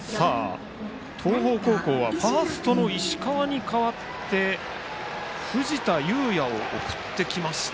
東邦高校はファーストの石川に代わって藤田悠矢を送ってきました。